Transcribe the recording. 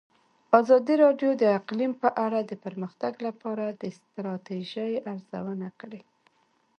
ازادي راډیو د اقلیم په اړه د پرمختګ لپاره د ستراتیژۍ ارزونه کړې.